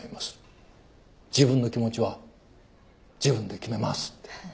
自分の気持ちは自分で決めますって。